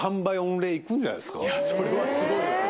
いそれはすごいですよ。